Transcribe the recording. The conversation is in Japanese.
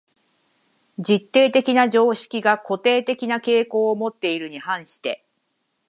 実定的な常識が固定的な傾向をもっているに反して、